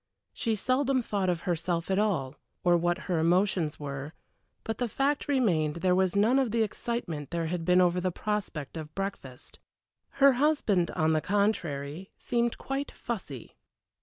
She seldom thought of herself at all, or what her emotions were, but the fact remained there was none of the excitement there had been over the prospect of breakfast. Her husband, on the contrary, seemed quite fussy.